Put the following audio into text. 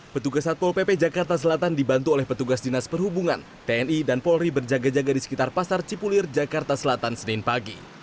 petugas satpol pp jakarta selatan dibantu oleh petugas dinas perhubungan tni dan polri berjaga jaga di sekitar pasar cipulir jakarta selatan senin pagi